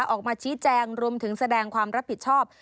ออกมาชี้แจงรวมถึงแสดงความรับผิดชอบ